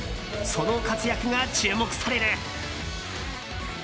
その活躍が注目される。